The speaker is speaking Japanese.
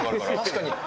確かに。